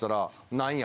「何や？」